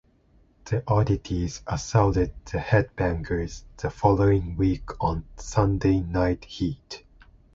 The Oddities assaulted the Headbangers the following week on "Sunday Night Heat".